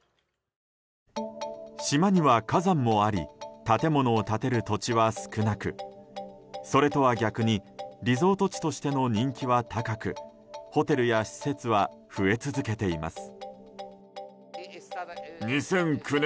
島には火山もあり建物を建てる土地は少なくそれとは逆にリゾート地としての人気は高くホテルや施設は増え続けています。